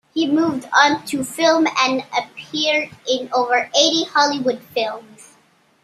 He moved on to film and appeared in over eighty Hollywood films.